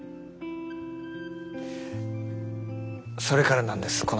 それからなんです